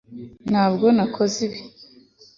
ntabwo nakoze ibi